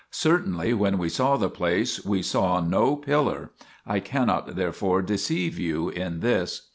Certainly when we saw the place we saw no pillar, I cannot therefore deceive you in this.